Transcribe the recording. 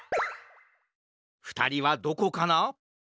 ふたりはどこかな？